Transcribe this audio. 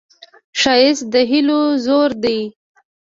ښایست د هیلو زور دی